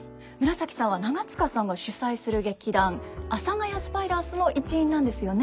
紫さんは長塚さんが主宰する劇団「阿佐ヶ谷スパイダース」の一員なんですよね。